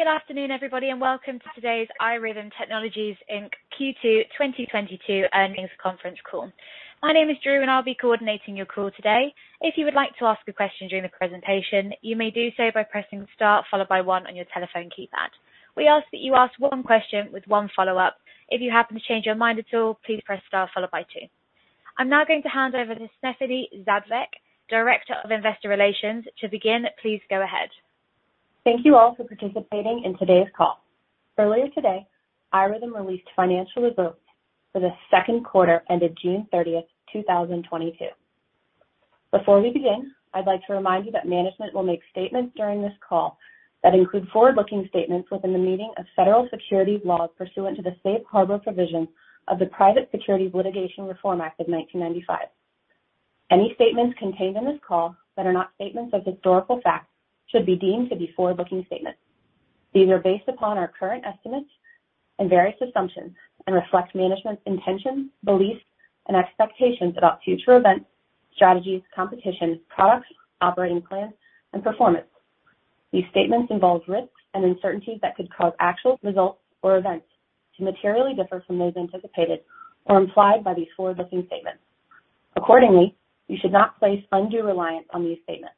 Good afternoon, everybody, and welcome to today's iRhythm Technologies, Inc. Q2 2022 earnings conference call. My name is Drew, and I'll be coordinating your call today. If you would like to ask a question during the presentation, you may do so by pressing star followed by one on your telephone keypad. We ask that you ask one question with one follow-up. If you happen to change your mind at all, please press star followed by two. I'm now going to hand over to Stephanie Zhadkevich, Director of Investor Relations. To begin, please go ahead. Thank you all for participating in today's call. Earlier today, iRhythm released financial results for the second quarter ended June 30, 2022. Before we begin, I'd like to remind you that management will make statements during this call that include forward-looking statements within the meaning of federal securities laws pursuant to the Safe Harbor provision of the Private Securities Litigation Reform Act of 1995. Any statements contained in this call that are not statements of historical fact should be deemed to be forward-looking statements. These are based upon our current estimates and various assumptions and reflect management's intentions, beliefs, and expectations about future events, strategies, competition, products, operating plans, and performance. These statements involve risks and uncertainties that could cause actual results or events to materially differ from those anticipated or implied by these forward-looking statements. Accordingly, you should not place undue reliance on these statements.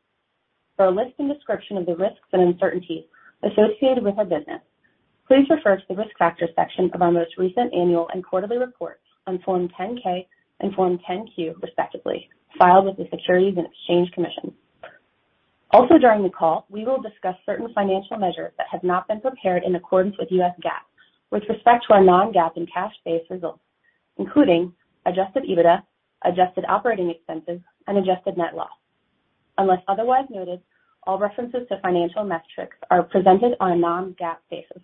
For a list and description of the risks and uncertainties associated with our business, please refer to the Risk Factors section of our most recent annual and quarterly reports on Form 10-K and Form 10-Q, respectively, filed with the Securities and Exchange Commission. Also during the call, we will discuss certain financial measures that have not been prepared in accordance with U.S. GAAP with respect to our non-GAAP and cash-based results, including adjusted EBITDA, adjusted operating expenses, and adjusted net loss. Unless otherwise noted, all references to financial metrics are presented on a non-GAAP basis.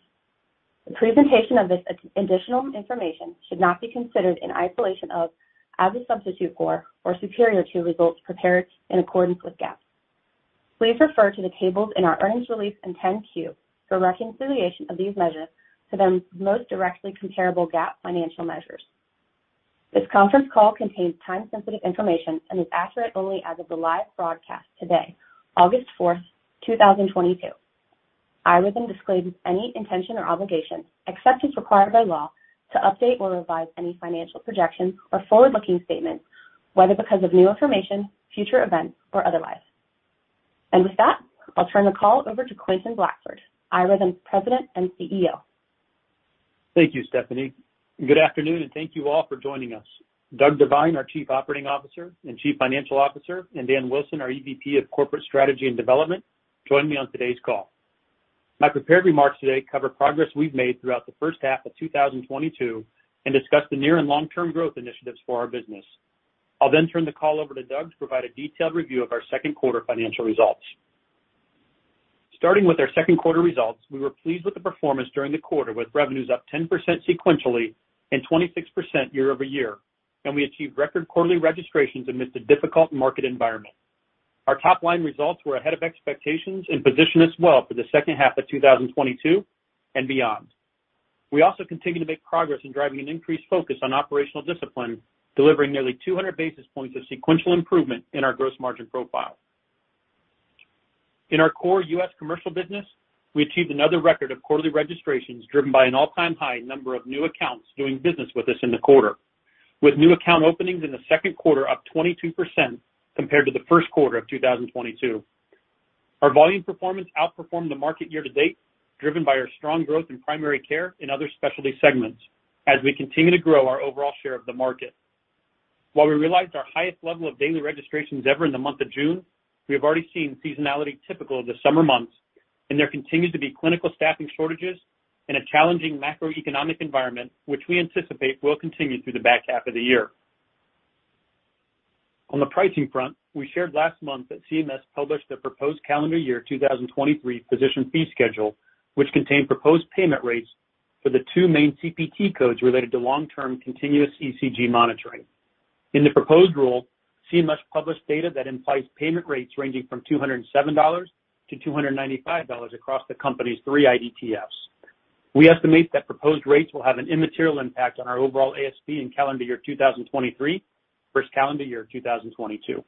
The presentation of this additional information should not be considered in isolation of, as a substitute for, or superior to results prepared in accordance with GAAP. Please refer to the tables in our earnings release and 10-Q for reconciliation of these measures to their most directly comparable GAAP financial measures. This conference call contains time-sensitive information and is accurate only as of the live broadcast today, August 4, 2022. iRhythm disclaims any intention or obligation, except as required by law, to update or revise any financial projections or forward-looking statements, whether because of new information, future events, or otherwise. With that, I'll turn the call over to Quentin Blackford, iRhythm's President and CEO. Thank you, Stephanie. Good afternoon, and thank you all for joining us. Doug Devine, our Chief Operating Officer and Chief Financial Officer, and Daniel Wilson, our EVP of Corporate Strategy and Development, join me on today's call. My prepared remarks today cover progress we've made throughout the first half of 2022 and discuss the near and long-term growth initiatives for our business. I'll then turn the call over to Doug to provide a detailed review of our second quarter financial results. Starting with our second quarter results, we were pleased with the performance during the quarter, with revenues up 10% sequentially and 26% year over year, and we achieved record quarterly registrations amidst a difficult market environment. Our top-line results were ahead of expectations and position us well for the second half of 2022 and beyond. We also continue to make progress in driving an increased focus on operational discipline, delivering nearly 200 basis points of sequential improvement in our gross margin profile. In our core U.S. commercial business, we achieved another record of quarterly registrations driven by an all-time high number of new accounts doing business with us in the quarter, with new account openings in the second quarter up 22% compared to the first quarter of 2022. Our volume performance outperformed the market year-to-date, driven by our strong growth in primary care and other specialty segments as we continue to grow our overall share of the market. While we realized our highest level of daily registrations ever in the month of June, we have already seen seasonality typical of the summer months, and there continues to be clinical staffing shortages and a challenging macroeconomic environment, which we anticipate will continue through the back half of the year. On the pricing front, we shared last month that CMS published their proposed calendar year 2023 physician fee schedule, which contained proposed payment rates for the two main CPT codes related to long-term continuous ECG monitoring. In the proposed rule, CMS published data that implies payment rates ranging from $207 to $295 across the company's three IDTFs. We estimate that proposed rates will have an immaterial impact on our overall ASP in calendar year 2023 versus calendar year 2022.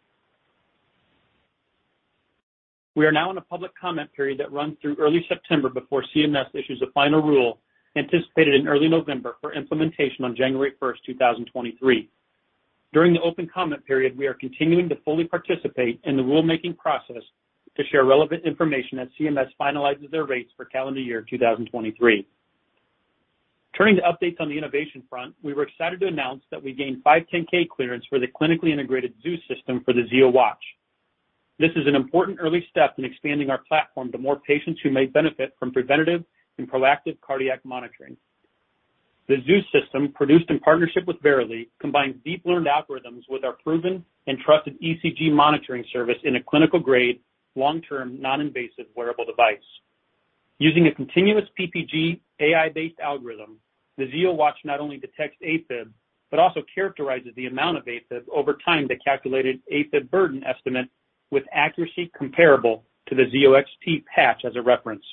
We are now in a public comment period that runs through early September before CMS issues a final rule anticipated in early November for implementation on January 1, 2023. During the open comment period, we are continuing to fully participate in the rulemaking process to share relevant information as CMS finalizes their rates for calendar year 2023. Turning to updates on the innovation front, we were excited to announce that we gained 510(k) clearance for the clinically integrated ZEUS system for the Zio Watch. This is an important early step in expanding our platform to more patients who may benefit from preventative and proactive cardiac monitoring. The ZEUS system, produced in partnership with Verily, combines deep learning algorithms with our proven and trusted ECG monitoring service in a clinical-grade, long-term, non-invasive wearable device. Using a continuous PPG AI-based algorithm, the Zio Watch not only detects AFib, but also characterizes the amount of AFib over time to calculate an AFib burden estimate with accuracy comparable to the Zio XT patch as a reference.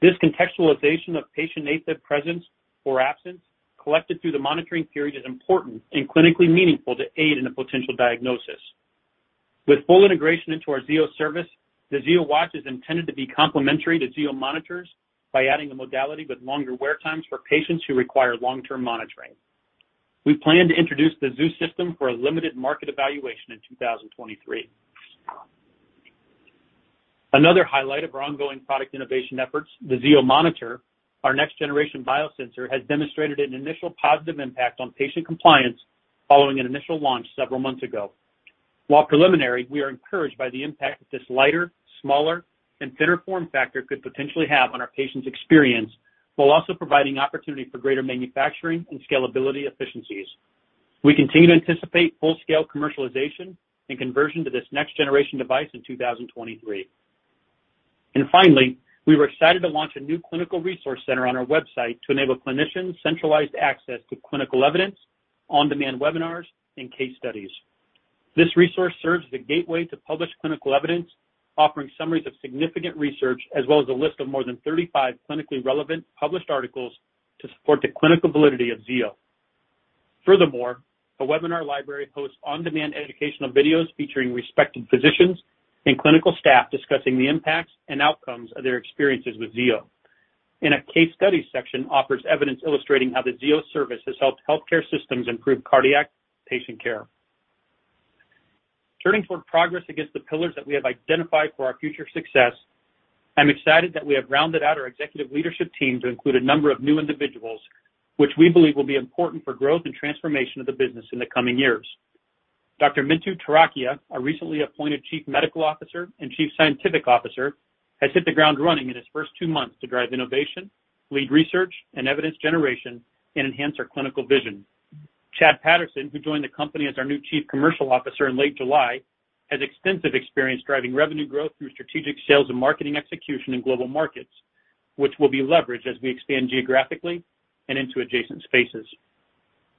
This contextualization of patient AFib presence or absence collected through the monitoring period is important and clinically meaningful to aid in a potential diagnosis. With full integration into our Zio Service, the Zio Watch is intended to be complementary to Zio monitors by adding a modality with longer wear times for patients who require long-term monitoring. We plan to introduce the ZEUS System for a limited market evaluation in 2023. Another highlight of our ongoing product innovation efforts, the Zio monitor, our next-generation biosensor, has demonstrated an initial positive impact on patient compliance following an initial launch several months ago. While preliminary, we are encouraged by the impact that this lighter, smaller, and thinner form factor could potentially have on our patient's experience, while also providing opportunity for greater manufacturing and scalability efficiencies. We continue to anticipate full-scale commercialization and conversion to this next-generation device in 2023. Finally, we were excited to launch a new clinical resource center on our website to enable clinicians centralized access to clinical evidence, on-demand webinars, and case studies. This resource serves as a gateway to published clinical evidence, offering summaries of significant research as well as a list of more than 35 clinically relevant published articles to support the clinical validity of Zio. Furthermore, a webinar library hosts on-demand educational videos featuring respected physicians and clinical staff discussing the impacts and outcomes of their experiences with Zio. Our case study section offers evidence illustrating how the Zio Service has helped healthcare systems improve cardiac patient care. Turning toward progress against the pillars that we have identified for our future success, I'm excited that we have rounded out our executive leadership team to include a number of new individuals, which we believe will be important for growth and transformation of the business in the coming years. Dr. Mintu Turakhia, our recently appointed Chief Medical Officer and Chief Scientific Officer, has hit the ground running in his first two months to drive innovation, lead research and evidence generation, and enhance our clinical vision. Chad Patterson, who joined the company as our new Chief Commercial Officer in late July, has extensive experience driving revenue growth through strategic sales and marketing execution in global markets, which will be leveraged as we expand geographically and into adjacent spaces.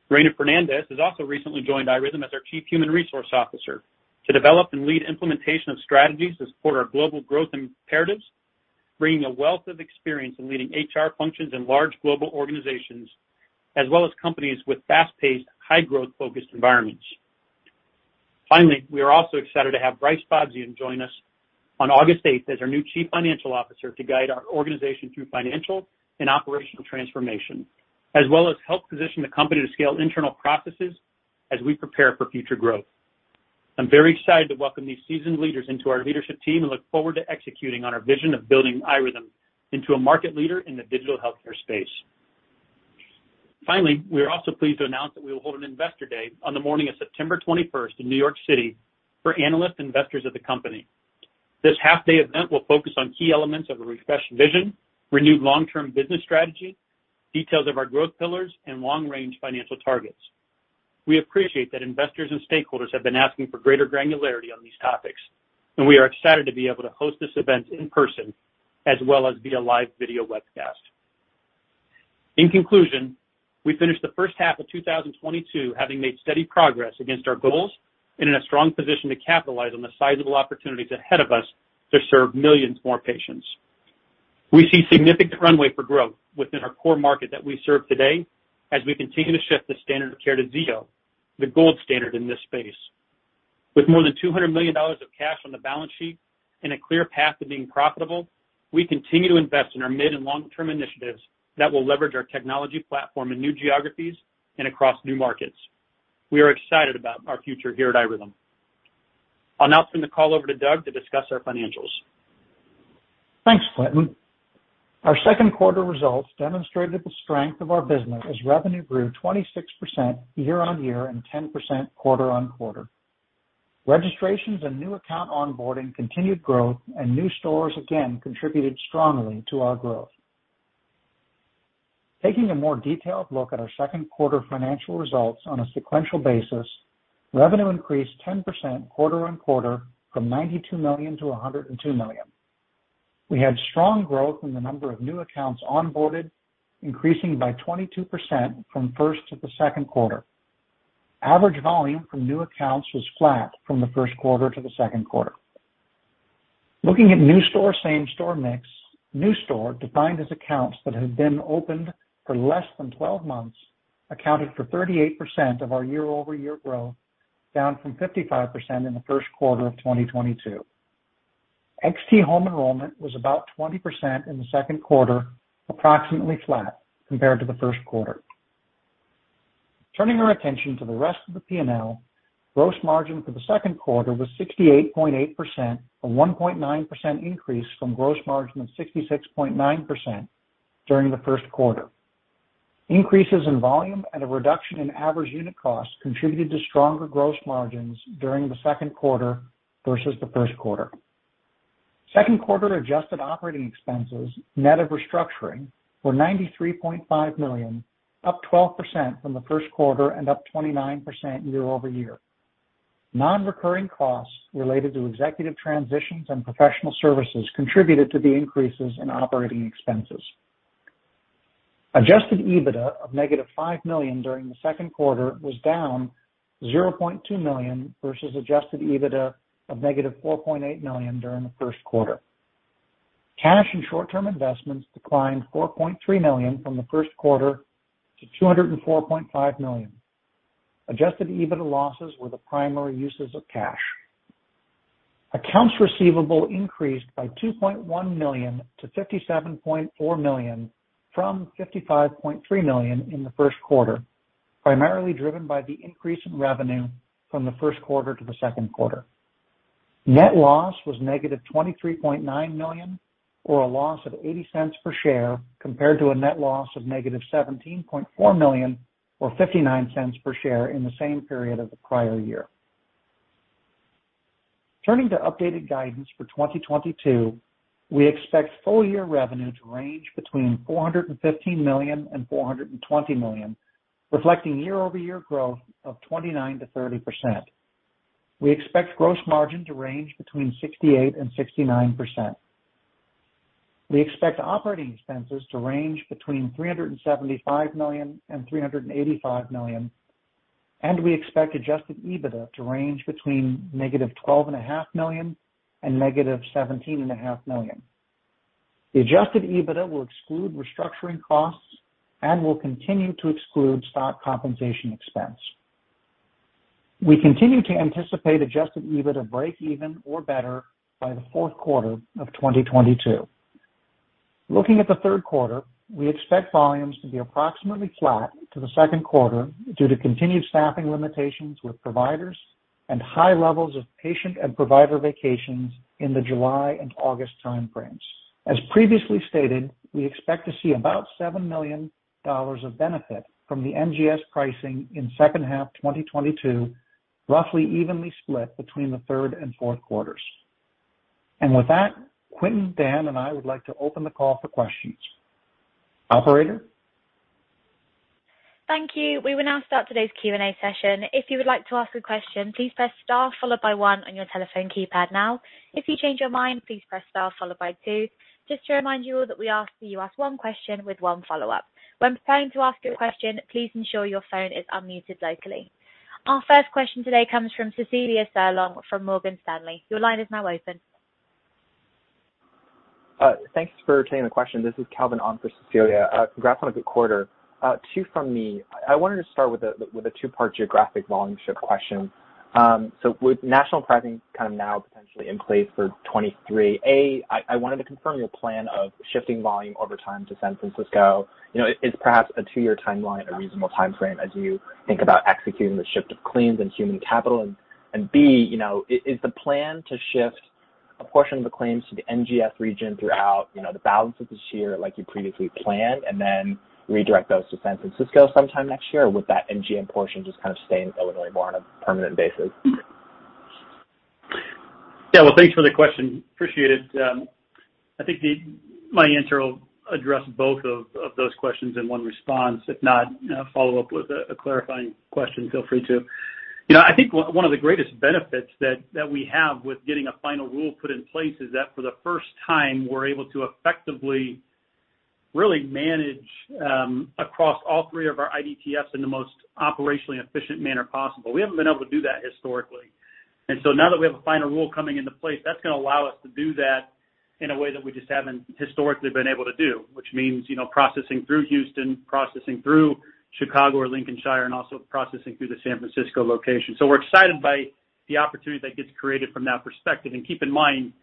Reyna Fernandez has also recently joined iRhythm as our Chief Human Resources Officer to develop and lead implementation of strategies to support our global growth imperatives, bringing a wealth of experience in leading HR functions in large global organizations, as well as companies with fast-paced, high growth-focused environments. Finally, we are also excited to have Brice Bobzien join us on August 8 as our new Chief Financial Officer to guide our organization through financial and operational transformation, as well as help position the company to scale internal processes as we prepare for future growth. I'm very excited to welcome these seasoned leaders into our leadership team and look forward to executing on our vision of building iRhythm into a market leader in the digital healthcare space. Finally, we are also pleased to announce that we will hold an Investor Day on the morning of September 21st in New York City for analyst investors of the company. This half-day event will focus on key elements of a refreshed vision, renewed long-term business strategy, details of our growth pillars, and long-range financial targets. We appreciate that investors and stakeholders have been asking for greater granularity on these topics, and we are excited to be able to host this event in person as well as via live video webcast. In conclusion, we finished the first half of 2022 having made steady progress against our goals and in a strong position to capitalize on the sizable opportunities ahead of us to serve millions more patients. We see significant runway for growth within our core market that we serve today as we continue to shift the standard of care to Zio, the gold standard in this space. With more than $200 million of cash on the balance sheet and a clear path to being profitable, we continue to invest in our mid and long-term initiatives that will leverage our technology platform in new geographies and across new markets. We are excited about our future here at iRhythm. I'll now turn the call over to Doug to discuss our financials. Thanks, Quentin. Our second quarter results demonstrated the strength of our business as revenue grew 26% year-over-year and 10% quarter-over-quarter. Registrations and new account onboarding continued growth and new stores again contributed strongly to our growth. Taking a more detailed look at our second quarter financial results on a sequential basis, revenue increased 10% quarter-over-quarter from $92 million to $102 million. We had strong growth in the number of new accounts onboarded, increasing by 22% from first to the second quarter. Average volume from new accounts was flat from the first quarter to the second quarter. Looking at new store, same store mix, new store defined as accounts that have been opened for less than 12 months accounted for 38% of our year-over-year growth, down from 55% in the first quarter of 2022. XT home enrollment was about 20% in the second quarter, approximately flat compared to the first quarter. Turning our attention to the rest of the P&L, gross margin for the second quarter was 68.8%, a 1.9% increase from gross margin of 66.9% during the first quarter. Increases in volume and a reduction in average unit cost contributed to stronger gross margins during the second quarter versus the first quarter. Second quarter adjusted operating expenses, net of restructuring, were $93.5 million, up 12% from the first quarter and up 29% year-over-year. Non-recurring costs related to executive transitions and professional services contributed to the increases in operating expenses. Adjusted EBITDA of -$5 million during the second quarter was down 0.2 million versus adjusted EBITDA of -$4.8 million during the first quarter. Cash and short-term investments declined $4.3 million from the first quarter to $204.5 million. Adjusted EBITDA losses were the primary uses of cash. Accounts receivable increased by $2.1 million to $57.4 million from $55.3 million in the first quarter, primarily driven by the increase in revenue from the first quarter to the second quarter. Net loss was -$23.9 million or a loss of $0.80 per share compared to a net loss of -$17.4 million or $0.59 per share in the same period of the prior year. Turning to updated guidance for 2022, we expect full year revenue to range between $415 million and $420 million, reflecting year-over-year growth of 29%-30%. We expect gross margin to range between 68% and 69%. We expect operating expenses to range between $375 million and $385 million, and we expect adjusted EBITDA to range between -$12.5 million and -$17.5 million. The adjusted EBITDA will exclude restructuring costs and will continue to exclude stock compensation expense. We continue to anticipate adjusted EBITDA break even or better by the fourth quarter of 2022. Looking at the third quarter, we expect volumes to be approximately flat to the second quarter due to continued staffing limitations with providers and high levels of patient and provider vacations in the July and August time frames. As previously stated, we expect to see about $7 million of benefit from the NGS pricing in second half 2022, roughly evenly split between the third and fourth quarters. With that, Quentin, Dan, and I would like to open the call for questions. Operator? Thank you. We will now start today's Q&A session. If you would like to ask a question, please press star followed by one on your telephone keypad now. If you change your mind, please press star followed by two. Just to remind you all that we ask that you ask one question with one follow-up. When preparing to ask your question, please ensure your phone is unmuted locally. Our first question today comes from Cecilia Furlong from Morgan Stanley. Your line is now open. Thanks for taking the question. This is Calvin on for Cecilia. Congrats on a good quarter. Two from me. I wanted to start with a two-part geographic volume shift question. So with national pricing kind of now potentially in place for 2023, A, I wanted to confirm your plan of shifting volume over time to San Francisco. You know, is perhaps a two-year timeline a reasonable timeframe as you think about executing the shift of claims and human capital? And, B, you know, is the plan to shift a portion of the claims to the NGS region throughout, you know, the balance of this year like you previously planned and then redirect those to San Francisco sometime next year? Or would that MGM portion just kind of stay in Illinois more on a permanent basis? Yeah. Well, thanks for the question. Appreciate it. I think my answer will address both of those questions in one response. If not, follow up with a clarifying question, feel free to. You know, I think one of the greatest benefits that we have with getting a final rule put in place is that for the first time, we're able to effectively really manage across all three of our IDTFs in the most operationally efficient manner possible. We haven't been able to do that historically. Now that we have a final rule coming into place, that's gonna allow us to do that in a way that we just haven't historically been able to do, which means, you know, processing through Houston, processing through Chicago or Lincolnshire, and also processing through the San Francisco location. We're excited by the opportunity that gets created from that perspective. Keep in mind,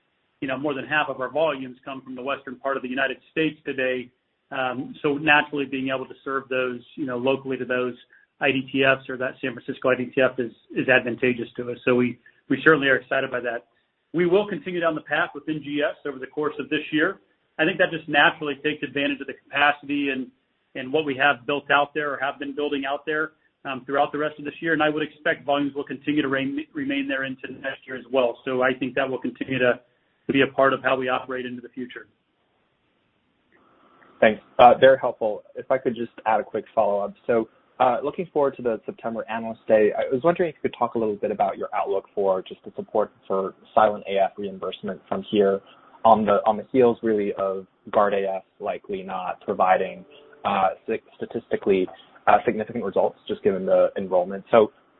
you know, more than half of our volumes come from the western part of the United States today. Naturally being able to serve those, you know, locally to those IDTFs or that San Francisco IDTF is advantageous to us. We certainly are excited by that. We will continue down the path with NGS over the course of this year. I think that just naturally takes advantage of the capacity and what we have built out there or have been building out there throughout the rest of this year. I would expect volumes will continue to remain there into next year as well. I think that will continue to be a part of how we operate into the future. Thanks. Very helpful. If I could just add a quick follow-up. Looking forward to the September Analyst Day, I was wondering if you could talk a little bit about your outlook for just the support for silent AF reimbursement from here, on the heels really of Guard-AF likely not providing statistically significant results just given the enrollment.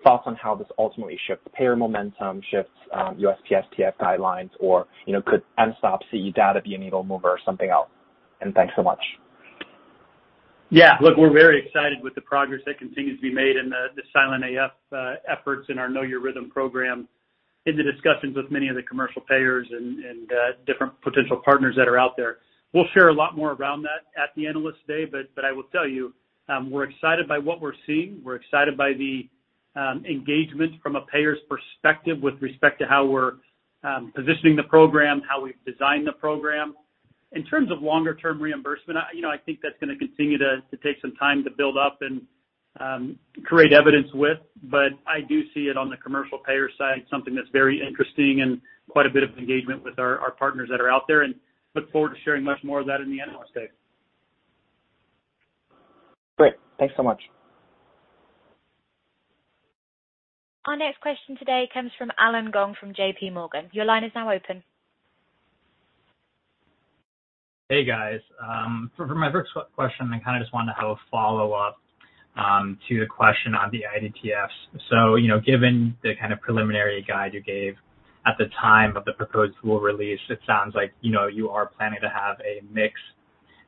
Thoughts on how this ultimately shifts payer momentum, shifts USPSTF guidelines or, you know, could endpoint CE data be a needle mover or something else? Thanks so much. Yeah. Look, we're very excited with the progress that continues to be made in the silent AF efforts in our Know Your Rhythm program in the discussions with many of the commercial payers and different potential partners that are out there. We'll share a lot more around that at the Analyst Day, but I will tell you, we're excited by what we're seeing. We're excited by the engagement from a payer's perspective with respect to how we're positioning the program, how we've designed the program. In terms of longer term reimbursement, you know, I think that's gonna continue to take some time to build up and create evidence with, but I do see it on the commercial payer side, something that's very interesting and quite a bit of engagement with our partners that are out there, and look forward to sharing much more of that in the Analyst Day. Great. Thanks so much. Our next question today comes from Allen Gong from JPMorgan. Your line is now open. Hey guys. For my first question, I kind of just want to have a follow-up to the question on the IDTFs. You know, given the kind of preliminary guide you gave at the time of the proposed rule release, it sounds like, you know, you are planning to have a mix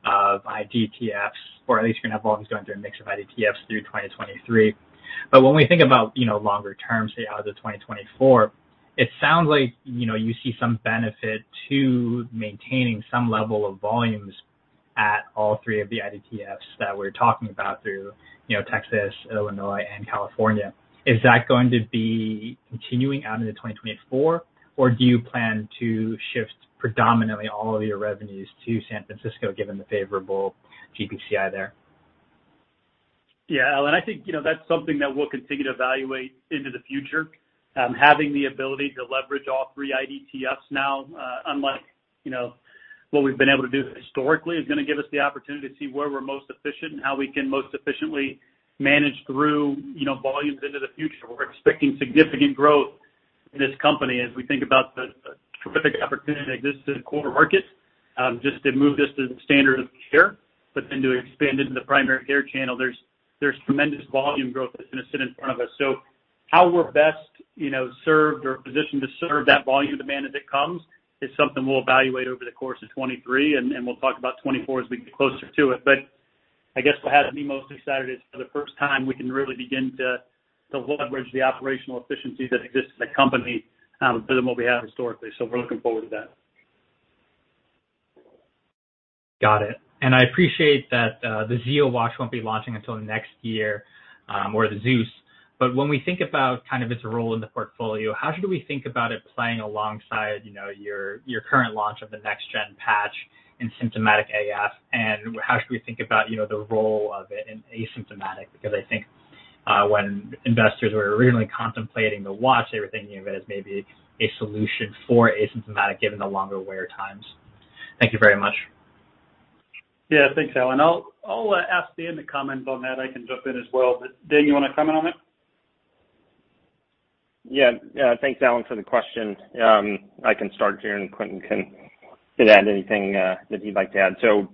of IDTFs, or at least you're gonna have volumes going through a mix of IDTFs through 2023. When we think about, you know, longer term, say out to 2024, it sounds like, you know, you see some benefit to maintaining some level of volumes at all three of the IDTFs that we're talking about through, you know, Texas, Illinois, and California. Is that going to be continuing out into 2024, or do you plan to shift predominantly all of your revenues to San Francisco, given the favorable GPCI there? Yeah, Allen, I think, you know, that's something that we'll continue to evaluate into the future. Having the ability to leverage all three IDTFs now, unlike, you know, what we've been able to do historically, is gonna give us the opportunity to see where we're most efficient and how we can most efficiently manage through, you know, volumes into the future. We're expecting significant growth in this company as we think about the terrific opportunity that exists in the core market, just to move this to the standard of care, but then to expand into the primary care channel. There's tremendous volume growth that's gonna sit in front of us. How we're best, you know, served or positioned to serve that volume demand as it comes is something we'll evaluate over the course of 2023, and we'll talk about 2024 as we get closer to it. I guess what has me most excited is for the first time, we can really begin to leverage the operational efficiency that exists in the company, better than what we have historically. We're looking forward to that. Got it. I appreciate that, the Zio Watch won't be launching until next year, or the ZEUS. When we think about kind of its role in the portfolio, how should we think about it playing alongside, you know, your current launch of the next-gen patch in symptomatic AF? How should we think about, you know, the role of it in asymptomatic? Because I think, when investors were originally contemplating the watch, they were thinking of it as maybe a solution for asymptomatic, given the longer wear times. Thank you very much. Yeah, thanks, Allen. I'll ask Dan to comment on that. I can jump in as well. Dan, you wanna comment on it? Yeah. Yeah, thanks, Allen, for the question. I can start here, and Quentin can add anything that he'd like to add. You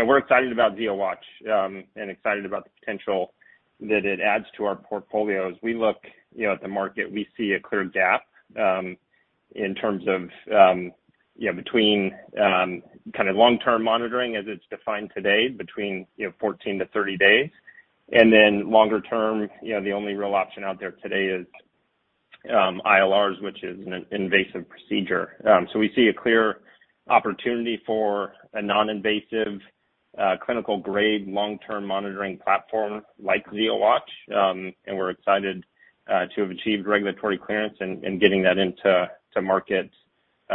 know, we're excited about Zio Watch and excited about the potential that it adds to our portfolio. As we look, you know, at the market, we see a clear gap in terms of, you know, between kind of long-term monitoring as it's defined today, between, you know, 14-30 days, and then longer-term, you know, the only real option out there today is ILRs, which is an invasive procedure. We see a clear opportunity for a non-invasive clinical grade long-term monitoring platform like Zio Watch and we're excited to have achieved regulatory clearance and getting that into the market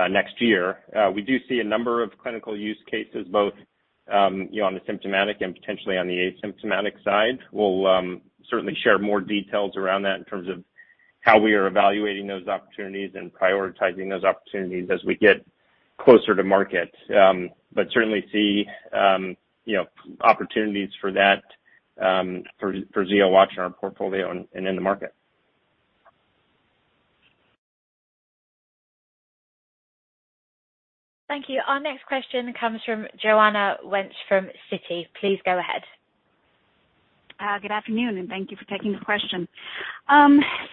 next year. We do see a number of clinical use cases both, you know, on the symptomatic and potentially on the asymptomatic side. We'll certainly share more details around that in terms of how we are evaluating those opportunities and prioritizing those opportunities as we get closer to market. Certainly see, you know, opportunities for that, for Zio Watch in our portfolio and in the market. Thank you. Our next question comes from Joanne Wuensch from Citi. Please go ahead. Good afternoon, and thank you for taking the question.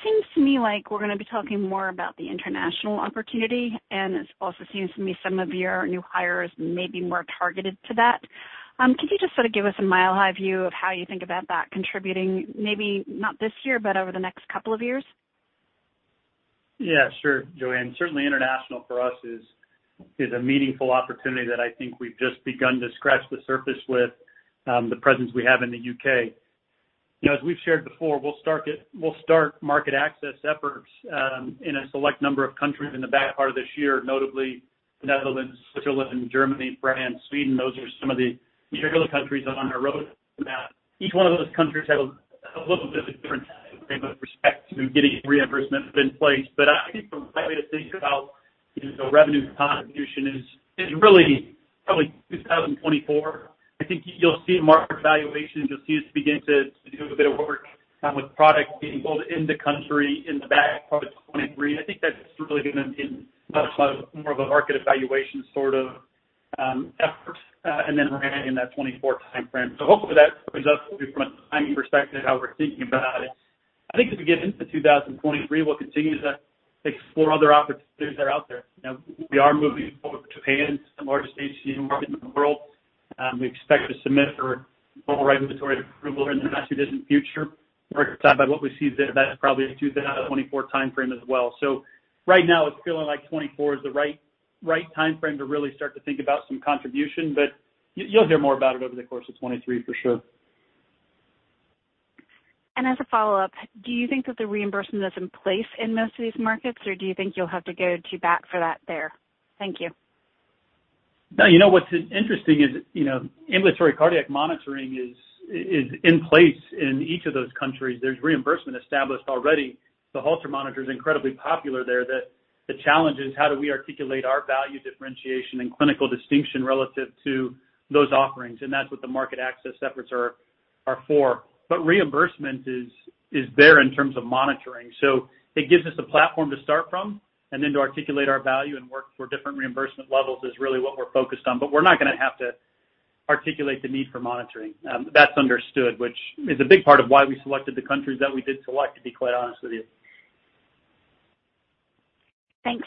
Seems to me like we're gonna be talking more about the international opportunity, and it also seems to me some of your new hires may be more targeted to that. Could you just sort of give us a mile high view of how you think about that contributing, maybe not this year, but over the next couple of years? Yeah, sure, Joanne. Certainly international for us is a meaningful opportunity that I think we've just begun to scratch the surface with the presence we have in the U.K. You know, as we've shared before, we'll start market access efforts in a select number of countries in the back part of this year, notably Netherlands, Switzerland, Germany, France, Sweden. Those are some of the particular countries on our roadmap. Each one of those countries have a little bit of a different with respect to getting reimbursement in place. But I think the right way to think about, you know, revenue contribution is really probably 2024. I think you'll see market evaluations, you'll see us begin to do a bit of work with products getting both into country in the back part of 2023. I think that's really gonna be less about more of a market evaluation sort of effort, and then ramp in that 2024 timeframe. Hopefully that brings us through from a timing perspective, how we're thinking about it. I think as we get into 2023, we'll continue to explore other opportunities that are out there. You know, we are moving forward with Japan, the largest HCM market in the world. We expect to submit for full regulatory approval in the not too distant future. What we see there, that's probably a 2024 timeframe as well. Right now it's feeling like 2024 is the right timeframe to really start to think about some contribution, but you'll hear more about it over the course of 2023 for sure. As a follow-up, do you think that the reimbursement is in place in most of these markets, or do you think you'll have to go to bat for that there? Thank you. No, you know, what's interesting is, you know, ambulatory cardiac monitoring is in place in each of those countries. There's reimbursement established already. The Holter monitor's incredibly popular there. The challenge is how do we articulate our value differentiation and clinical distinction relative to those offerings? That's what the market access efforts are for. Reimbursement is there in terms of monitoring. It gives us a platform to start from and then to articulate our value and work for different reimbursement levels is really what we're focused on. We're not gonna have to articulate the need for monitoring. That's understood, which is a big part of why we selected the countries that we did select, to be quite honest with you. Thanks.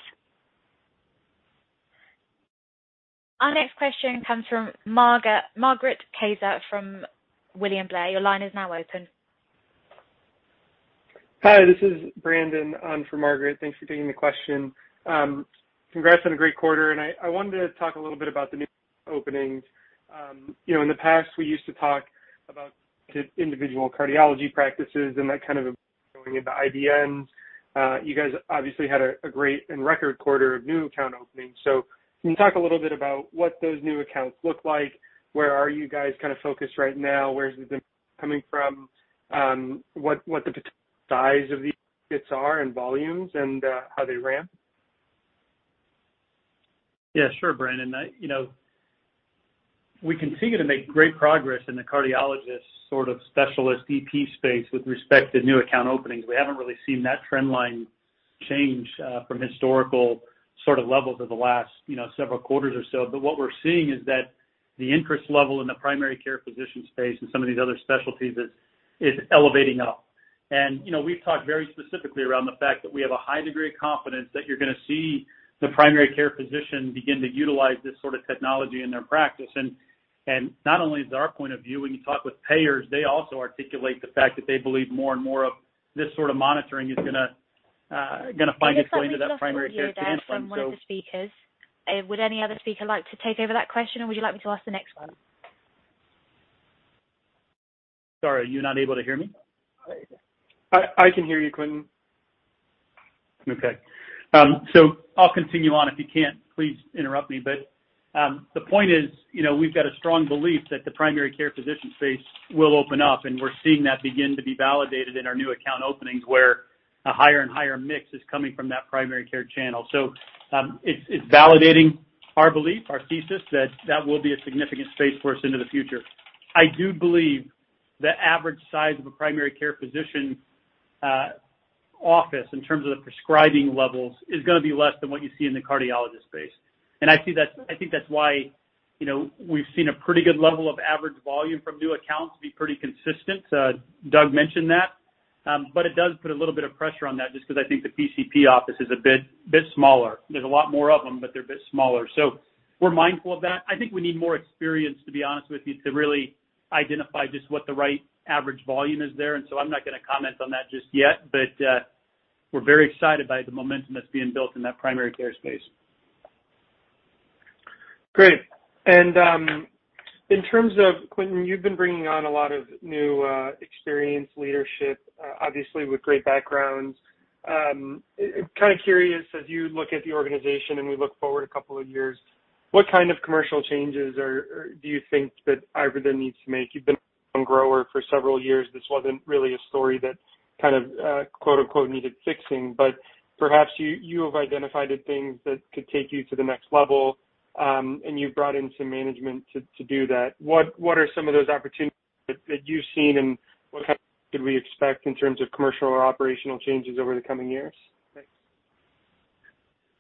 Our next question comes from Margaret Kaczor from William Blair. Your line is now open. Hi, this is Brandon on for Margaret. Thanks for taking the question. Congrats on a great quarter, and I wanted to talk a little bit about the new openings. You know, in the past, we used to talk about individual cardiology practices and that kind of going into IDNs. You guys obviously had a great and record quarter of new account openings. Can you talk a little bit about what those new accounts look like? Where are you guys kinda focused right now? Where is the demand coming from? What the potential size of these are and volumes and how they ramp? Yeah, sure, Brandon. We continue to make great progress in the cardiologist sort of specialist EP space with respect to new account openings. We haven't really seen that trend line change from historical sort of levels of the last several quarters or so. But what we're seeing is that the interest level in the primary care physician space and some of these other specialties is elevating up. You know, we've talked very specifically around the fact that we have a high degree of confidence that you're gonna see the primary care physician begin to utilize this sort of technology in their practice. Not only is it our point of view. When you talk with payers, they also articulate the fact that they believe more and more of this sort of monitoring is gonna find its way into that primary care space. That was the last one we heard there from one of the speakers. Would any other speaker like to take over that question, or would you like me to ask the next one? Sorry, are you not able to hear me? I can hear you, Quentin. Okay. I'll continue on. If you can, please interrupt me. The point is, you know, we've got a strong belief that the primary care physician space will open up, and we're seeing that begin to be validated in our new account openings, where a higher and higher mix is coming from that primary care channel. It's validating our belief, our thesis, that that will be a significant space for us into the future. I do believe the average size of a primary care physician office in terms of the prescribing levels is gonna be less than what you see in the cardiologist space. I see that. I think that's why, you know, we've seen a pretty good level of average volume from new accounts be pretty consistent. Doug mentioned that. It does put a little bit of pressure on that just 'cause I think the PCP office is a bit smaller. There's a lot more of them, but they're a bit smaller. We're mindful of that. I think we need more experience, to be honest with you, to really identify just what the right average volume is there, and so I'm not gonna comment on that just yet. We're very excited by the momentum that's being built in that primary care space. Great. In terms of, Quentin, you've been bringing on a lot of new, experienced leadership, obviously with great backgrounds. Kind of curious, as you look at the organization and we look forward a couple of years, what kind of commercial changes do you think that iRhythm that needs to make? You've been homegrown for several years. This wasn't really a story that kind of, quote, unquote, "needed fixing." Perhaps you have identified the things that could take you to the next level, and you've brought in some management to do that. What are some of those opportunities that you've seen, and what can we expect in terms of commercial or operational changes over the coming years? Thanks.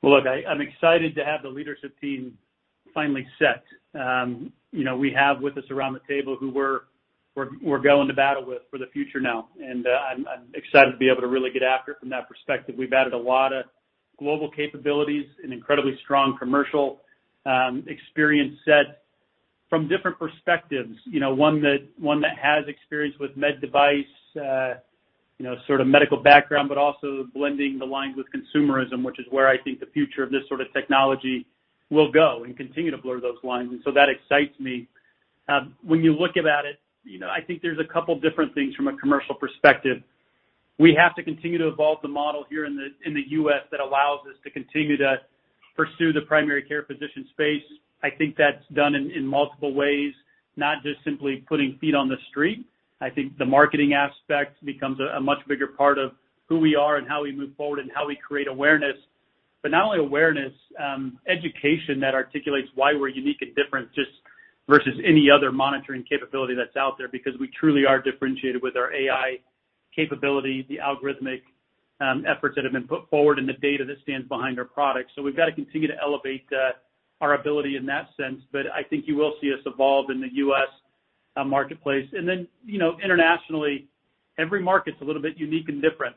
Well, look, I'm excited to have the leadership team finally set. You know, we have with us around the table who we're going to battle with for the future now, and I'm excited to be able to really get after it from that perspective. We've added a lot of global capabilities and incredibly strong commercial experience set from different perspectives. You know, one that has experience with med device, you know, sort of medical background, but also blending the lines with consumerism, which is where I think the future of this sort of technology will go and continue to blur those lines, and so that excites me. When you look at it, I think there's a couple different things from a commercial perspective. We have to continue to evolve the model here in the U.S. that allows us to continue to pursue the primary care physician space. I think that's done in multiple ways, not just simply putting feet on the street. I think the marketing aspect becomes a much bigger part of who we are and how we move forward and how we create awareness. Not only awareness, education that articulates why we're unique and different just versus any other monitoring capability that's out there because we truly are differentiated with our AI capability, the algorithmic efforts that have been put forward and the data that stands behind our products. So we've got to continue to elevate our ability in that sense. I think you will see us evolve in the U.S. marketplace. Then, internationally, every market's a little bit unique and different.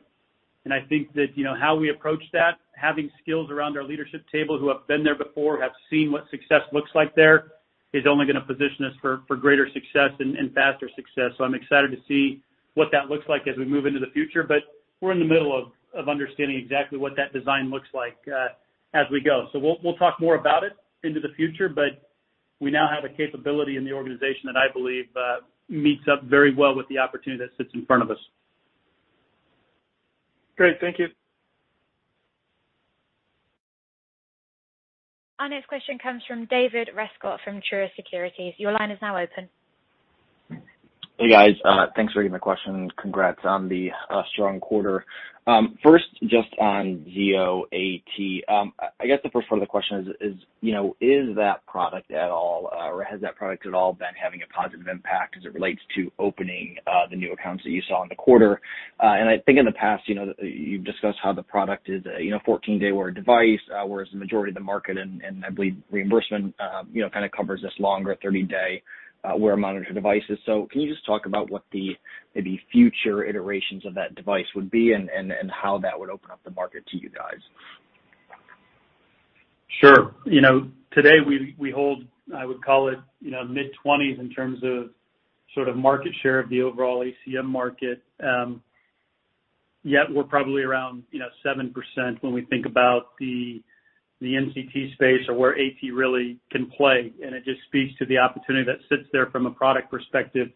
I think that, you know, how we approach that, having skills around our leadership table who have been there before, have seen what success looks like there, is only gonna position us for greater success and faster success. I'm excited to see what that looks like as we move into the future. We're in the middle of understanding exactly what that design looks like as we go. We'll talk more about it into the future, but we now have a capability in the organization that I believe meets up very well with the opportunity that sits in front of us. Great. Thank you. Our next question comes from David Rescott from Truist Securities. Your line is now open. Hey, guys. Thanks for taking my question. Congrats on the strong quarter. First, just on Zio AT. I guess the first part of the question is, you know, is that product at all or has that product at all been having a positive impact as it relates to opening the new accounts that you saw in the quarter? And I think in the past, you know, you've discussed how the product is, you know, 14-day wear device, whereas the majority of the market and I believe reimbursement, you know, kind of covers this longer 30-day wear monitor devices. Can you just talk about what the maybe future iterations of that device would be and how that would open up the market to you guys? Sure. You know, today we hold, I would call it, you know, mid-20s in terms of sort of market share of the overall ACM market. Yet we're probably around 7% when we think about the MCT space or where AT really can play, and it just speaks to the opportunity that sits there from a product perspective.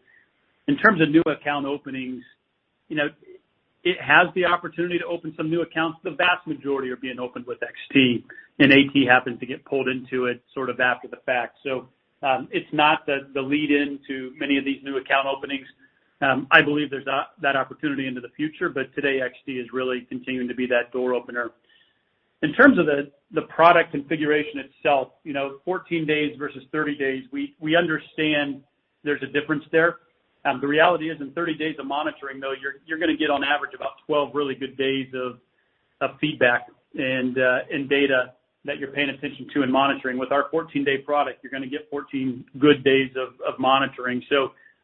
In terms of new account openings, you know, it has the opportunity to open some new accounts. The vast majority are being opened with XT, and AT happens to get pulled into it sort of after the fact. It's not the lead into many of these new account openings. I believe there's that opportunity into the future, but today XT is really continuing to be that door opener. In terms of the product configuration itself, you know, 14 days versus 30 days, we understand there's a difference there. The reality is in 30 days of monitoring, though, you're gonna get on average about 12 really good days of feedback and data that you're paying attention to and monitoring. With our 14-day product, you're gonna get 14 good days of monitoring.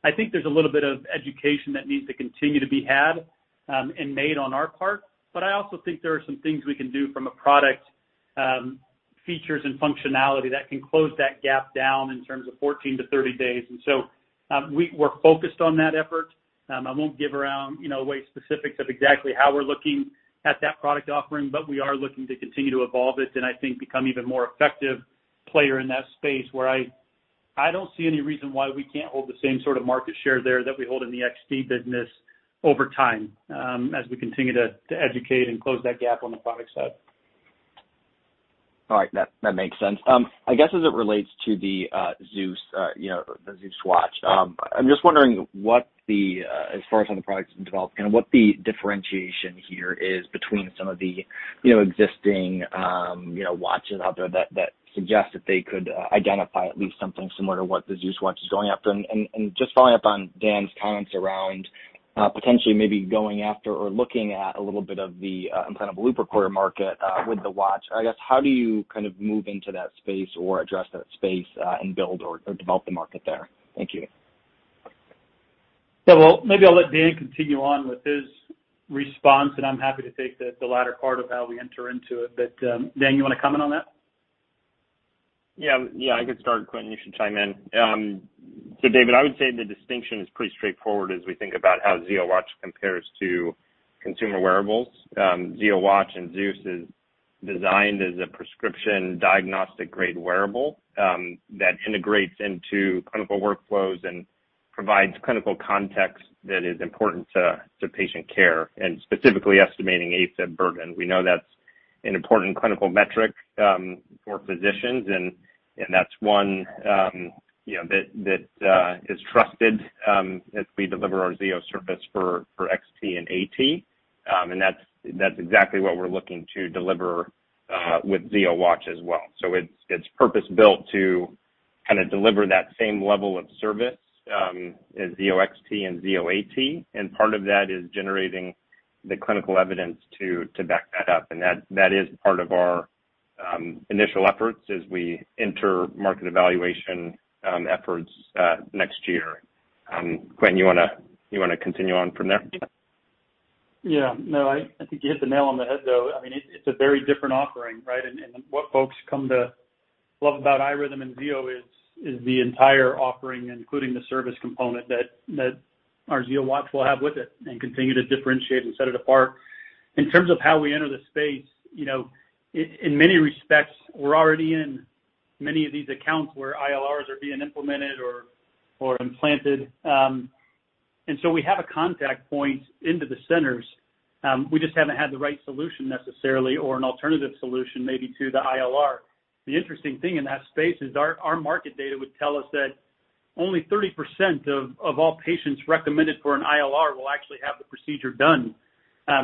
I think there's a little bit of education that needs to continue to be had and made on our part. I also think there are some things we can do from a product features and functionality that can close that gap down in terms of 14-30 days. We're focused on that effort. I won't give you any, you know, specifics of exactly how we're looking at that product offering, but we are looking to continue to evolve it and I think become even more effective player in that space where I don't see any reason why we can't hold the same sort of market share there that we hold in the XT business over time, as we continue to educate and close that gap on the product side. All right. That makes sense. I guess as it relates to the ZEUS, you know, the Zio Watch, I'm just wondering kind of what the differentiation here is between some of the, you know, existing, you know, watches out there that suggest that they could identify at least something similar to what the Zio Watch is going after. Just following up on Dan's comments around potentially maybe going after or looking at a little bit of the implantable loop recorder market with the watch. I guess how do you kind of move into that space or address that space and build or develop the market there? Thank you. Yeah. Well, maybe I'll let Dan continue on with his response, and I'm happy to take the latter part of how we enter into it. Dan, you wanna comment on that? Yeah. Yeah, I could start, Quentin, you should chime in. David, I would say the distinction is pretty straightforward as we think about how Zio Watch compares to consumer wearables. Zio Watch and ZEUS is designed as a prescription diagnostic-grade wearable, that integrates into clinical workflows and provides clinical context that is important to patient care and specifically estimating AFib burden. We know that's an important clinical metric for physicians and that's one, you know, that is trusted, as we deliver our Zio service for XT and AT. And that's exactly what we're looking to deliver with Zio Watch as well. It's purpose-built to kind of deliver that same level of service, as Zio XT and Zio AT, and part of that is generating the clinical evidence to back that up. That is part of our initial efforts as we enter market evaluation efforts next year. Quentin, you wanna continue on from there? Yeah. No, I think you hit the nail on the head, though. I mean, it's a very different offering, right? and what folks come to love about iRhythm and Zio is the entire offering, including the service component that our Zio Watch will have with it and continue to differentiate and set it apart. In terms of how we enter the space, you know, in many respects, we're already in many of these accounts where ILRs are being implemented or implanted. we have a contact point into the centers. we just haven't had the right solution necessarily or an alternative solution maybe to the ILR. The interesting thing in that space is our market data would tell us that only 30% of all patients recommended for an ILR will actually have the procedure done,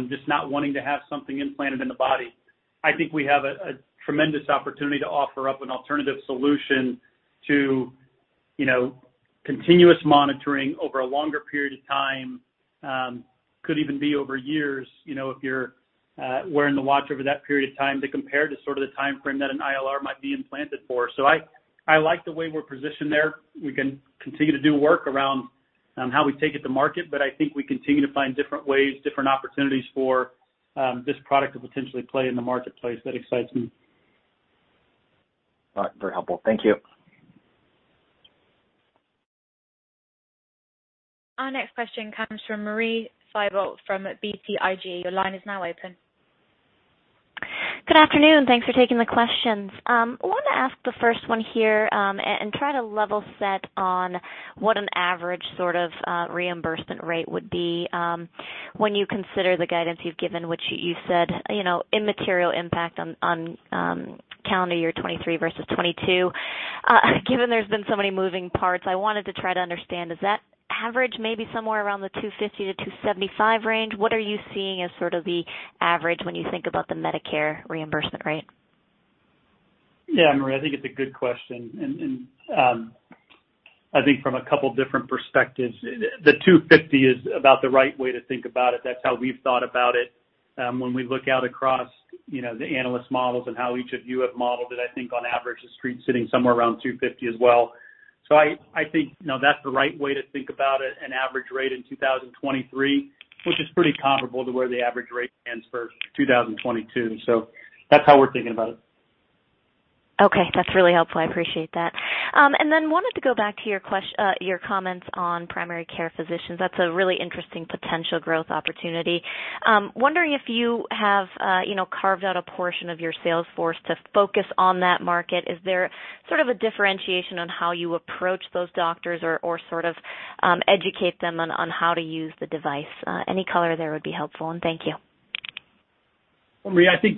just not wanting to have something implanted in the body. I think we have a tremendous opportunity to offer up an alternative solution to, you know, continuous monitoring over a longer period of time. Could even be over years, you know, if you're wearing the watch over that period of time to compare to sort of the timeframe that an ILR might be implanted for. I like the way we're positioned there. We can continue to do work around how we take it to market, but I think we continue to find different ways, different opportunities for this product to potentially play in the marketplace. That excites me. All right. Very helpful. Thank you. Our next question comes from Marie Thibault from BTIG. Your line is now open. Good afternoon. Thanks for taking the questions. I wanna ask the first one here, and try to level set on what an average sort of, reimbursement rate would be, when you consider the guidance you've given, which you said, you know, immaterial impact on, calendar year 2023 versus 2022. Given there's been so many moving parts, I wanted to try to understand, is that average maybe somewhere around the $250-$275 range? What are you seeing as sort of the average when you think about the Medicare reimbursement rate? Yeah, Marie, I think it's a good question. I think from a couple different perspectives, the $250 is about the right way to think about it. That's how we've thought about it. When we look out across, you know, the analyst models and how each of you have modeled it, I think on average, the Street's sitting somewhere around $250 as well. I think, you know, that's the right way to think about it, an average rate in 2023, which is pretty comparable to where the average rate stands for 2022. That's how we're thinking about it. Okay, that's really helpful. I appreciate that. Wanted to go back to your comments on primary care physicians. That's a really interesting potential growth opportunity. Wondering if you have, you know, carved out a portion of your sales force to focus on that market. Is there sort of a differentiation on how you approach those doctors or sort of educate them on how to use the device? Any color there would be helpful. Thank you. Marie, I think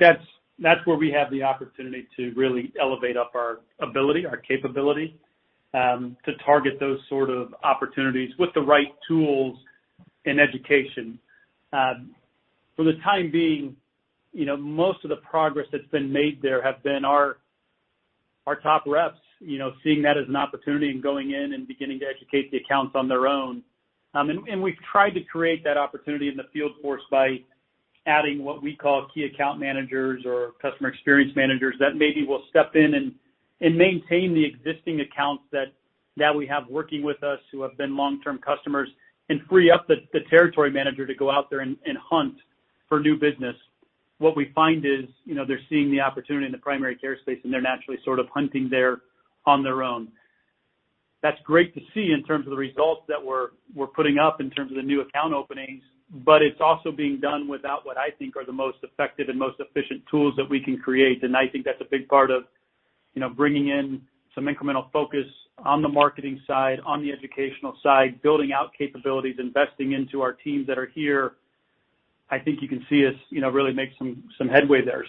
that's where we have the opportunity to really elevate up our ability, our capability, to target those sort of opportunities with the right tools and education. For the time being, you know, most of the progress that's been made there have been our top reps, you know, seeing that as an opportunity and going in and beginning to educate the accounts on their own. We've tried to create that opportunity in the field force by adding what we call key account managers or customer experience managers that maybe will step in and maintain the existing accounts that we have working with us who have been long-term customers and free up the territory manager to go out there and hunt for new business. What we find is, you know, they're seeing the opportunity in the primary care space, and they're naturally sort of hunting there on their own. That's great to see in terms of the results that we're putting up in terms of the new account openings, but it's also being done without what I think are the most effective and most efficient tools that we can create. I think that's a big part of, you know, bringing in some incremental focus on the marketing side, on the educational side, building out capabilities, investing into our teams that are here. I think you can see us, you know, really make some headway there.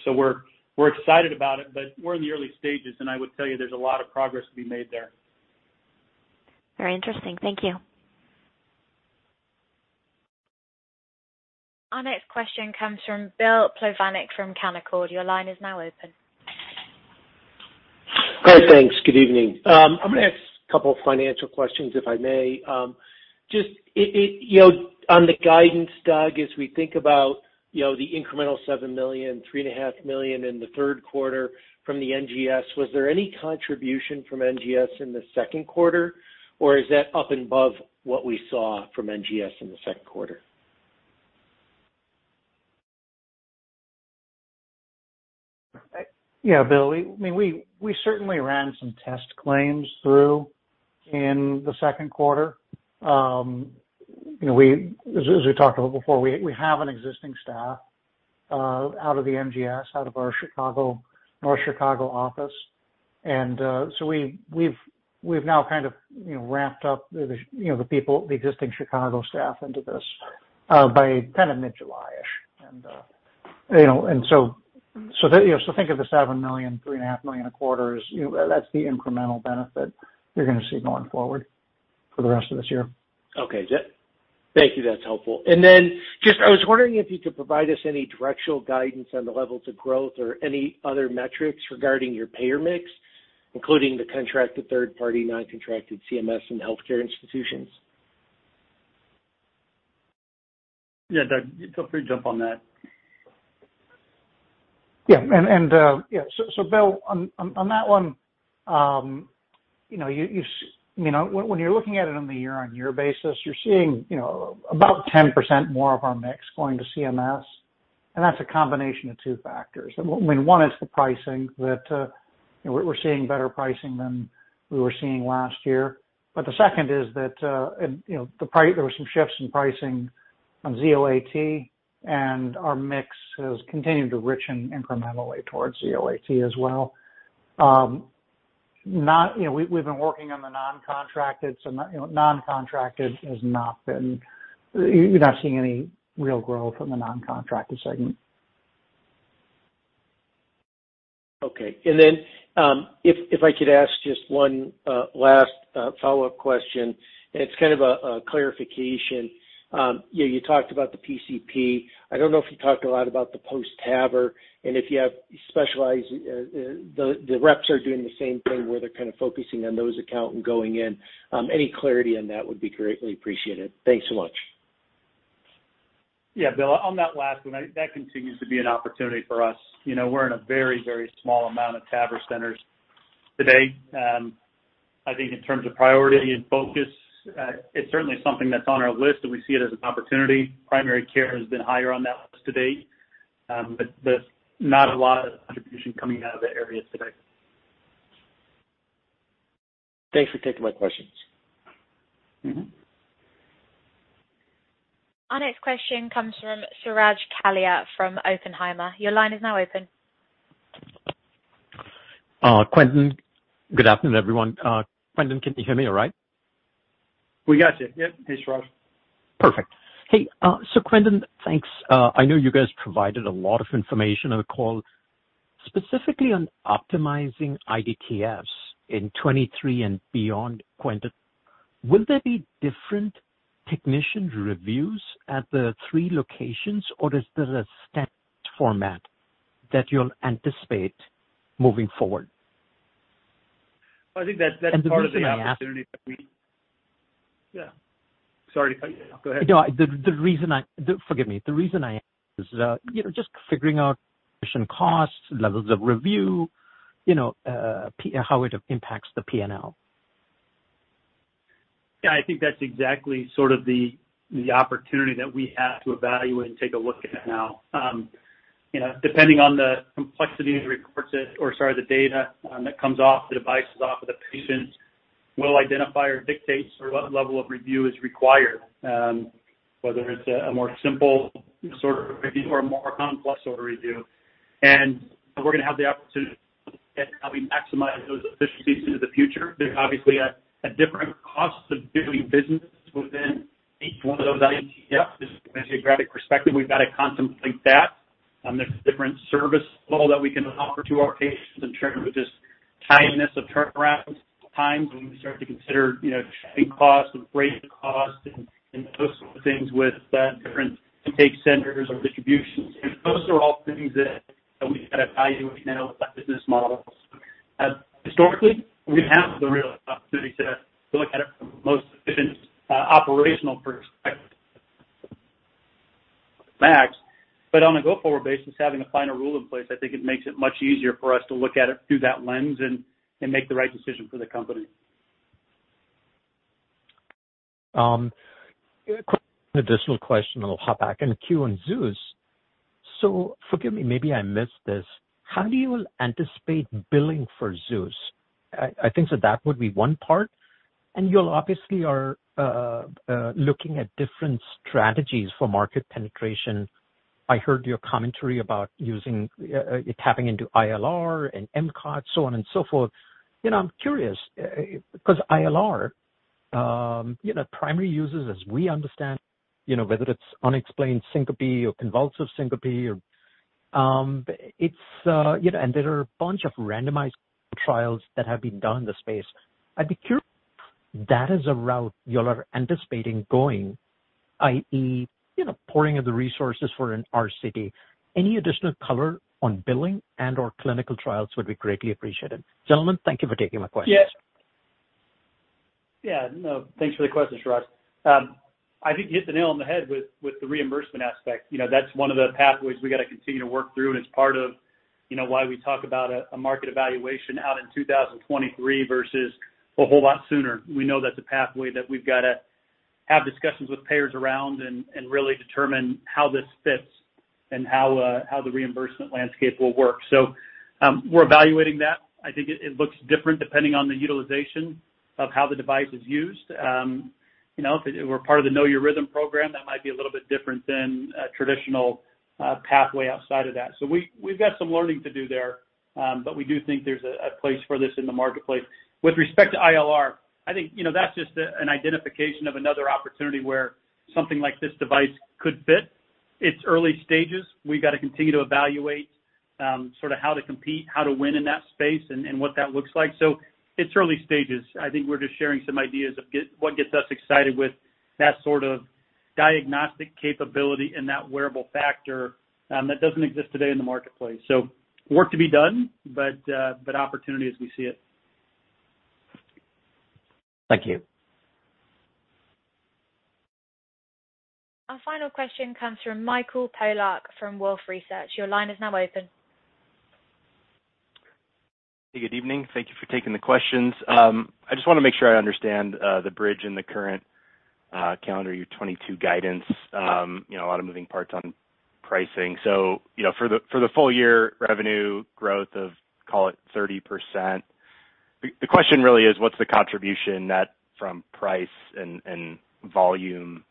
We're excited about it, but we're in the early stages. I would tell you there's a lot of progress to be made there. Very interesting. Thank you. Our next question comes from Bill Plovanic from Canaccord. Your line is now open. Hi. Thanks. Good evening. I'm gonna ask a couple of financial questions, if I may. Just, you know, on the guidance, Doug, as we think about, you know, the incremental $7 million, $3.5 million in the third quarter from the NGS, was there any contribution from NGS in the second quarter, or is that up and above what we saw from NGS in the second quarter? Yeah, Bill. I mean, we certainly ran some test claims through in the second quarter. You know, as we talked about before, we have an existing staff out of the NGS, out of our Chicago, North Chicago office. You know, so that, you know, so think of the $7 million, $3.5 million a quarter as, you know, that's the incremental benefit you're gonna see going forward for the rest of this year. Okay. Thank you. That's helpful. Just, I was wondering if you could provide us any directional guidance on the levels of growth or any other metrics regarding your payer mix, including the contracted third party, non-contracted CMS and healthcare institutions? Yeah. Doug, feel free to jump on that. Yeah. Bill, on that one, you know, when you're looking at it on the year-on-year basis, you're seeing, you know, about 10% more of our mix going to CMS, and that's a combination of two factors. I mean, one is the pricing that you know we're seeing better pricing than we were seeing last year. The second is that, and you know there were some shifts in pricing from Zio AT, and our mix has continued to richen incrementally towards Zio AT as well. You know, we've been working on the non-contracted, so non-contracted has not been. You're not seeing any real growth in the non-contracted segment. Okay. If I could ask just one last follow-up question, and it's kind of a clarification. You know, you talked about the PCP. I don't know if you talked a lot about the post-TAVR and if you have specialized the reps are doing the same thing where they're kind of focusing on those account and going in. Any clarity on that would be greatly appreciated. Thanks so much. Yeah, Bill, on that last one, that continues to be an opportunity for us. You know, we're in a very, very small amount of TAVR centers today. I think in terms of priority and focus, it's certainly something that's on our list, and we see it as an opportunity. Primary care has been higher on that list to date. There's not a lot of contribution coming out of the area today. Thanks for taking my questions. Mm-hmm. Our next question comes from Suraj Kalia from Oppenheimer. Your line is now open. Quentin. Good afternoon, everyone. Quentin, can you hear me all right? We got you. Yep. Hey, Suraj. Perfect. Hey, so Quentin, thanks. I know you guys provided a lot of information on the call. Specifically on optimizing IDTFs in 2023 and beyond, Quentin, will there be different technician reviews at the three locations, or is there a set format that you'll anticipate moving forward? I think that's part of the opportunity that we The reason I ask. Yeah. Sorry to cut you. Go ahead. No, the reason I ask is, you know, just figuring out efficient costs, levels of review, you know, how it impacts the P&L. Yeah, I think that's exactly sort of the opportunity that we have to evaluate and take a look at now. You know, depending on the complexity of the data that comes off the devices, off of the patients, will identify or dictate what level of review is required, whether it's a more simple sort of review or a more complex sort of review. We're gonna have the opportunity to get how we maximize those efficiencies into the future. There's obviously a different cost of doing business within each one of those IDTFs. Just from a geographic perspective, we've got to contemplate that. There's different service level that we can offer to our patients in terms of just timeliness of turnaround times when we start to consider, you know, shipping costs and freight costs and those sort of things with the different intake centers or distributions. Those are all things that we've got to evaluate now with our business models. Historically, we haven't had the real opportunity to look at it from the most efficient operational perspective. Max, but on a go-forward basis, having a final rule in place, I think it makes it much easier for us to look at it through that lens and make the right decision for the company. Quick additional question, and I'll hop back in the queue on ZEUS. Forgive me, maybe I missed this. How do you anticipate billing for ZEUS? I think that would be one part. You're obviously looking at different strategies for market penetration. I heard your commentary about tapping into ILR and MCOT, so on and so forth. You know, I'm curious because ILR, primary users as we understand, you know, whether it's unexplained syncope or convulsive syncope or, it's. You know, there are a bunch of randomized trials that have been done in the space. I'd be curious if that is a route you all are anticipating going, i.e., you know, pouring of the resources for an RCT. Any additional color on billing and/or clinical trials would be greatly appreciated. Gentlemen, thank you for taking my questions. Yeah. Yeah, no, thanks for the question, Suraj. I think you hit the nail on the head with the reimbursement aspect. You know, that's one of the pathways we gotta continue to work through, and it's part of, you know, why we talk about a market evaluation out in 2023 versus a whole lot sooner. We know that's a pathway that we've gotta have discussions with payers around and really determine how this fits and how the reimbursement landscape will work. We're evaluating that. I think it looks different depending on the utilization of how the device is used. You know, if it were part of the Know Your Rhythm program, that might be a little bit different than a traditional pathway outside of that. We've got some learning to do there, but we do think there's a place for this in the marketplace. With respect to ILR, I think, you know, that's just an identification of another opportunity where something like this device could fit. It's early stages. We've got to continue to evaluate, sort of how to compete, how to win in that space and what that looks like. It's early stages. I think we're just sharing some ideas of what gets us excited with that sort of diagnostic capability and that wearable factor, that doesn't exist today in the marketplace. Work to be done, but opportunity as we see it. Thank you. Our final question comes from Mike Polark from Wolfe Research. Your line is now open. Hey, good evening. Thank you for taking the questions. I just wanna make sure I understand the bridge in the current calendar year 2022 guidance. You know, a lot of moving parts on pricing. You know, for the full year revenue growth of, call it 30%, the question really is what's the contribution net from price and volume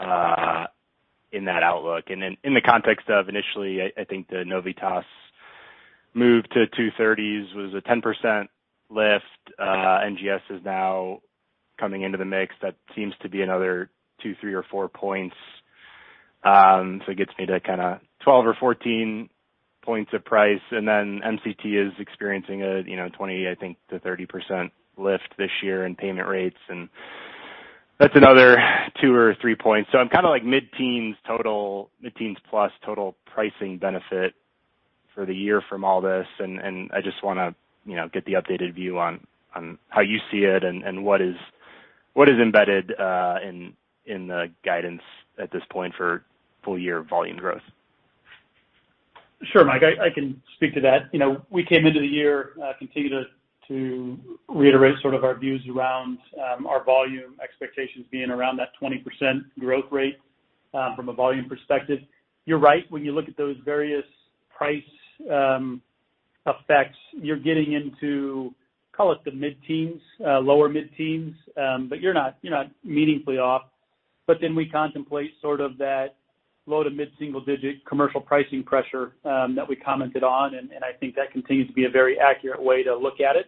in that outlook? In the context of initially, I think the Novitas move to 2-3s was a 10% lift. NGS is now coming into the mix. That seems to be another two, three, or four points. It gets me to kinda 12 or 14 points of price. MCT is experiencing, you know, 20%-30% lift this year in payment rates, and that's another two or three points. I'm kinda like mid-teens total, mid-teens plus total pricing benefit for the year from all this. I just wanna, you know, get the updated view on how you see it and what is embedded in the guidance at this point for full year volume growth. Sure, Mike, I can speak to that. You know, we came into the year continue to reiterate sort of our views around our volume expectations being around that 20% growth rate from a volume perspective. You're right, when you look at those various price effects, you're getting into call it the mid-teens, lower mid-teens, but you're not meaningfully off. Then we contemplate sort of that low to mid-single digit commercial pricing pressure that we commented on, and I think that continues to be a very accurate way to look at it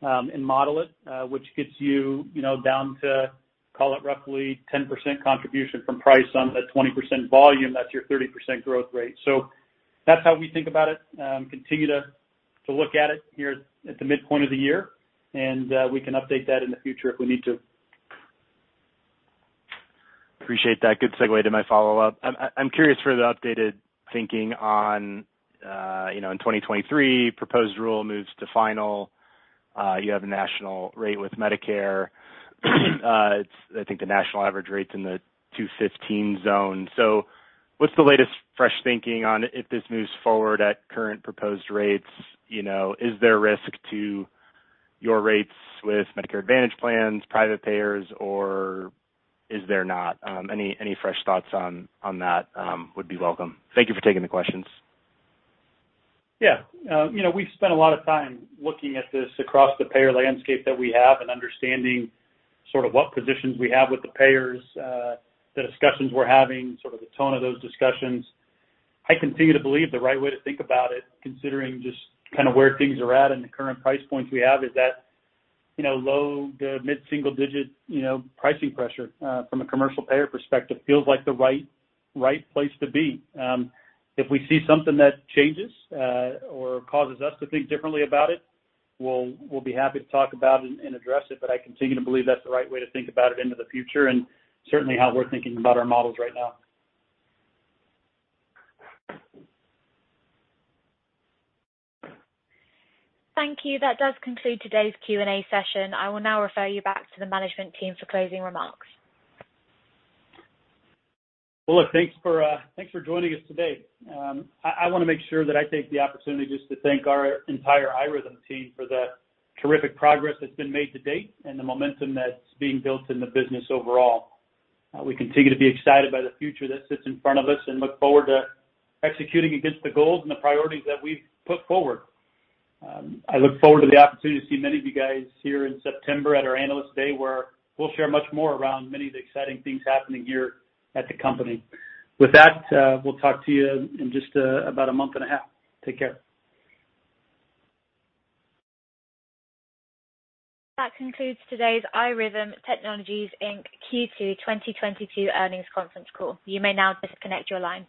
and model it, which gets you know, down to call it roughly 10% contribution from price on a 20% volume, that's your 30% growth rate. That's how we think about it, continue to look at it here at the midpoint of the year, and we can update that in the future if we need to. Appreciate that. Good segue to my follow-up. I'm curious for the updated thinking on, you know, in 2023, proposed rule moves to final. You have a national rate with Medicare. It's, I think, the national average rate's in the $215 zone. So what's the latest fresh thinking on if this moves forward at current proposed rates, you know, is there risk to your rates with Medicare Advantage plans, private payers, or is there not? Any fresh thoughts on that would be welcome. Thank you for taking the questions. Yeah, you know, we've spent a lot of time looking at this across the payer landscape that we have and understanding sort of what positions we have with the payers, the discussions we're having, sort of the tone of those discussions. I continue to believe the right way to think about it, considering just kind of where things are at and the current price points we have, is that, low- to mid-single-digit, you know, pricing pressure from a commercial payer perspective feels like the right place to be. If we see something that changes or causes us to think differently about it, we'll be happy to talk about it and address it. I continue to believe that's the right way to think about it into the future, and certainly how we're thinking about our models right now. Thank you. That does conclude today's Q&A session. I will now refer you back to the management team for closing remarks. Well, look, thanks for joining us today. I wanna make sure that I take the opportunity just to thank our entire iRhythm team for the terrific progress that's been made to date and the momentum that's being built in the business overall. We continue to be excited by the future that sits in front of us and look forward to executing against the goals and the priorities that we've put forward. I look forward to the opportunity to see many of you guys here in September at our Analyst Day, where we'll share much more around many of the exciting things happening here at the company. With that, we'll talk to you in just about a month and a half. Take care. That concludes today's iRhythm Technologies, Inc., Q2 2022 earnings conference call. You may now disconnect your line.